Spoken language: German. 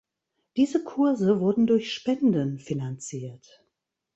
Diese Kurse wurden durch Spenden finanziert.